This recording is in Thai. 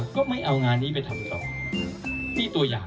หรือแบบนี้